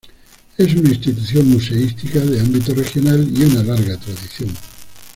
Es una institución museística de ámbito regional y una larga tradición.